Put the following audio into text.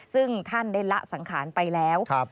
ซึ่งท่านได้ละสังขารไปแล้ว